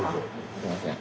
すいません。